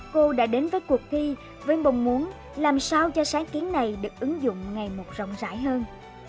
cô đã đến với cuộc thi với mong muốn làm sao cho sáng kiến này được ứng dụng ngày một rộng rãi hơn